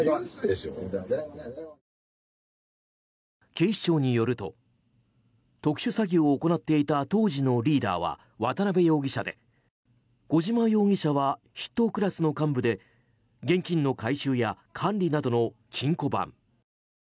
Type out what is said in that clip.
警視庁によると、特殊詐欺を行っていた当時のリーダーは渡邉容疑者で小島容疑者は筆頭クラスの幹部で現金の回収や管理などの金庫番。